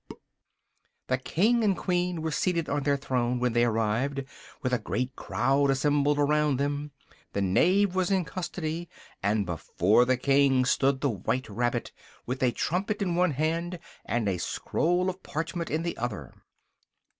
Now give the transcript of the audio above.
The King and Queen were seated on their throne when they arrived, with a great crowd assembled around them: the Knave was in custody: and before the King stood the white rabbit, with a trumpet in one hand, and a scroll of parchment in the other.